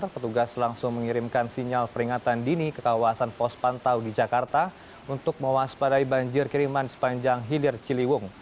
petugas langsung mengirimkan sinyal peringatan dini ke kawasan pos pantau di jakarta untuk mewaspadai banjir kiriman sepanjang hilir ciliwung